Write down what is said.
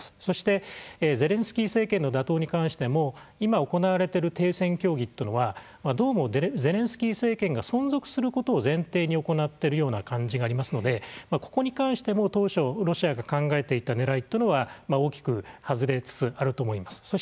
そしてゼレンスキー政権の打倒に関しても今行われている停戦協議というのはどうもゼレンスキー政権が存続することを前提に行っているような感じがありますのでここに関しても当初ロシアが考えていたねらいというのは大きく外れつつあると思います。